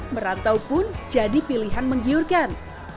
merantau pun jadi pilihan menggiurkan